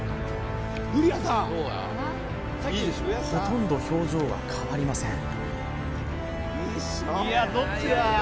ほとんど表情は変わりません